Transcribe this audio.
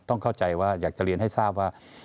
เข้าใจว่าอยากจะเรียนให้ทราบว่า